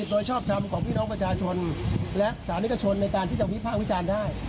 โดยชอบทำของพี่น้องประชาชนและสานิกชนในการที่จะวิภาควิจารณ์ได้